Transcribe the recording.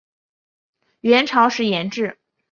元朝时沿置。